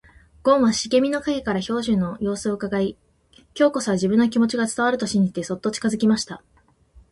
ごんは茂みの影から兵十の様子をうかがい、今日こそは自分の気持ちが伝わると信じてそっと近づきました。